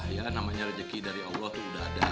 ya namanya rezeki dari allah itu udah ada